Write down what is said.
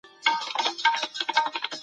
ايا دا موده تر هغې اوږده ده؟